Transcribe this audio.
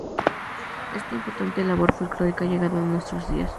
Esta importante labor folclórica ha llegado hasta nuestros días.